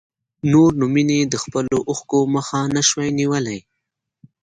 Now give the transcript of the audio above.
نور نو مينې د خپلو اوښکو مخه نه شوای نيولی.